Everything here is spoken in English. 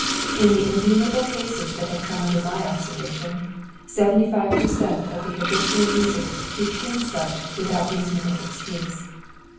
In the innumerable cases that have come under my observation, seventy five per cent. of the habitual users became such without reasonable excuse.